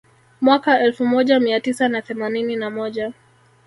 Mwaka elfu moja mia tisa na themanini na moja